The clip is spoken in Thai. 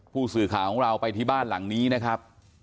ผู้สื่อข่าวของเราไปที่บ้านหลังนี้นะครับ